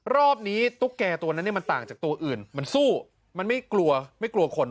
รอบนี้ตุ๊กแก่ตัวนั้นเนี่ยมันต่างจากตัวอื่นมันสู้มันไม่กลัวไม่กลัวคน